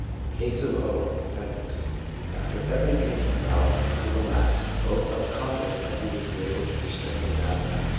Case of 0. (Appendix.) After every drinking bout until the last, 0. felt confident that he would be able to restrain his appetite.